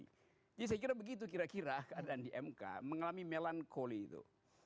jadi saya kira begitu kira kira keadaan di mk mengalami melankoli itu